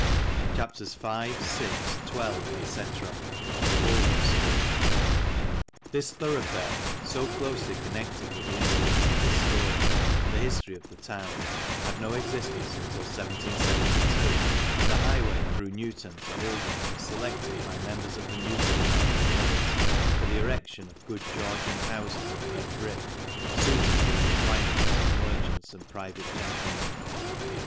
CHAPS. V., VI., XII., £c.— OLDHAM STREET. — This thoroughfare, so closely con nected with the incidents of this story, and the history of the town, had no existence until 1772, when the highway through Newton to Oldham was selected by members of the Newton family and others, for the erection of good Georgian houses of red brick suited to the requirements of merchants and private gentlemen.